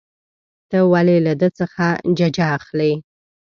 ته ولې له ده څخه ججه اخلې.